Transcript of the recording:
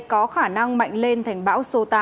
có khả năng mạnh lên thành bão số tám